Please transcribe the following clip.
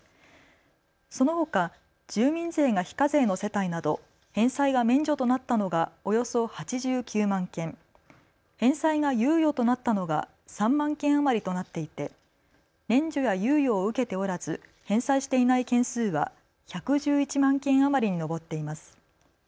そのほか住民税が非課税の世帯など返済が免除となったのがおよそ８９万件、返済が猶予となったのが３万件余りとなっていて免除や猶予を受けておらず返済していない件数は１１１万件余りに上っています。